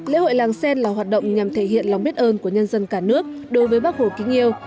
lễ hội làng sen là hoạt động nhằm thể hiện lòng biết ơn của nhân dân cả nước đối với bác hồ kính yêu